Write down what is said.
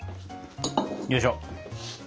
よいしょ。